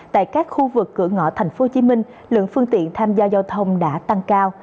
tại các khu vực cửa ngõ thành phố hồ chí minh lượng phương tiện tham gia giao thông đã tăng cao